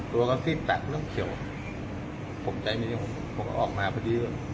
ตัวก็สริษณ์ตักแล้วเขียวผมใจไม่ได้ผมผมก็ออกมาพอดีเลย